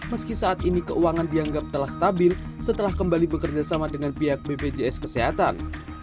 meski saat ini keuangan dianggap telah stabil setelah kembali bekerjasama dengan pihak bpjs kesehatan